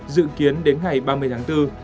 dự kiến đến ngày ba mươi tháng bốn